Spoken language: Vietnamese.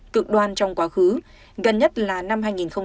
cực đoan trong quá khứ gần nhất là năm hai nghìn hai mươi